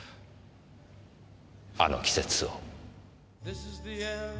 あの季節を。